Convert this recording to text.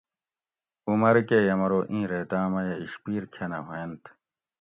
عمر کۤہ یمرو اِیں ریتاۤں میۤہ اِشپیر کھۤنہ ہوئینت